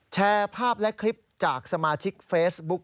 แชร์ภาพและคลิปจากสมาชิกเฟซบุ๊ค